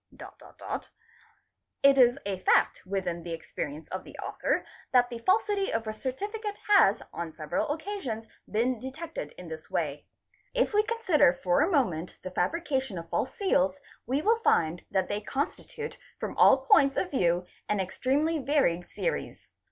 It is a fact within hs experience of the author that the falsity of a Noni cate has on several occasions been detected in this way. If we consider for a moment the fabrication of false seals "8, we will find that they constitute from all points of view an extremely varied series.